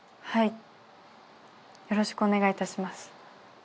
はい。